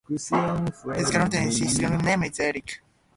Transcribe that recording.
He is Catholic and his Christian name is Eric.